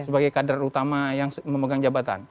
sebagai kader utama yang memegang jabatan